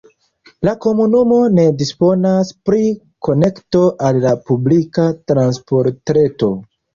La komunumo ne disponas pri konekto al la publika transportreto.